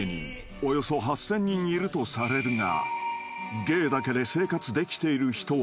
［およそ８，０００人いるとされるが］